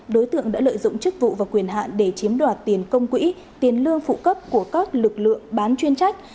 đối tượng đã lợi dụng chức vụ và quyền hạn để chiếm đoạt tiền công quỹ tiền lương phụ cấp của các lực lượng bán chuyên trách